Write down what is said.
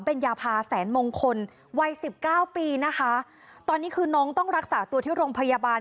เป็นยาพาแสนมงคลวัยสิบเก้าปีนะคะตอนนี้คือน้องต้องรักษาตัวที่โรงพยาบาล